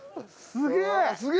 すげえ！